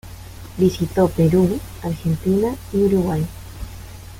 Visitó Perú, Argentina y Uruguay.